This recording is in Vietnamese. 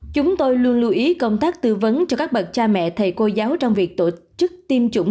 chúng tôi luôn lưu ý công tác tư vấn cho các bậc cha mẹ thầy cô giáo trong việc tổ chức tiêm chủng